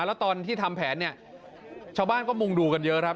แล้วตอนที่ทำแผนเนี่ยชาวบ้านก็มุ่งดูกันเยอะครับ